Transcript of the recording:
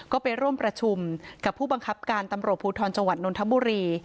ก็ไปร่วมประชุมกับผู้บังคับการตำรวจภูทรจังหวัดนนทบุรี